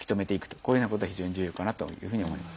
こういうふうなことが非常に重要かなというふうに思います。